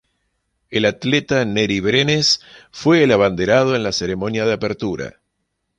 El atleta Nery Brenes fue el abanderado en la ceremonia de apertura.